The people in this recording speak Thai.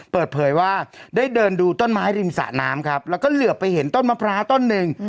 เปิดเผยว่าได้เดินดูต้นไม้ริมสะน้ำครับแล้วก็เหลือไปเห็นต้นมะพร้าวต้นหนึ่ง